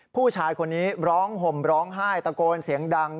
ผู้ชายคนนี้ร้องห่มร้องไห้ตะโกนเสียงดัง